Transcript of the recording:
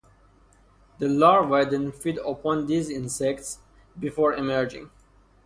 The larvae then feed upon these insects, before emerging.